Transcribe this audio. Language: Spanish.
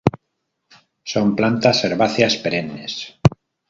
Son plantas herbáceas perennes.